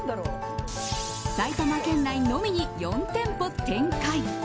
埼玉県のみに４店舗展開。